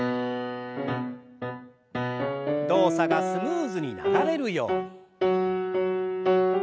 動作がスムーズに流れるように。